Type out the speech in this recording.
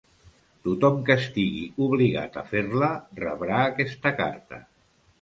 Tothom que estigui obligat a fer-la rebrà aquesta carta.